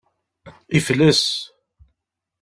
Yefles.